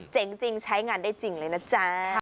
จริงใช้งานได้จริงเลยนะจ๊ะ